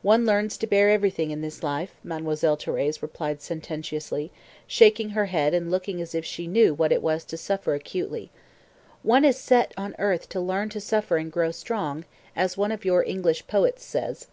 "One learns to bear everything in this life," Mademoiselle Thérèse replied sententiously, shaking her head and looking as if she knew what it was to suffer acutely. "One is set on earth to learn to 'suffer and grow strong,' as one of your English poets says."